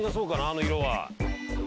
あの色は。